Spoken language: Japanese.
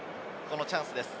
チャンスです。